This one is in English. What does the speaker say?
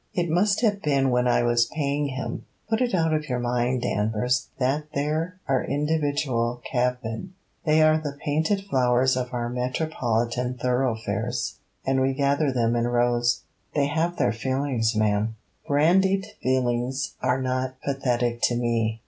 'It must have been when I was paying him. Put it out of your mind, Danvers, that there are individual cabmen. They are the painted flowers of our metropolitan thoroughfares, and we gather them in rows.' 'They have their feelings, ma'am.' 'Brandied feelings are not pathetic to me.'